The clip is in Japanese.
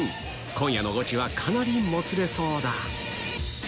今夜のゴチはかなりもつれそうだ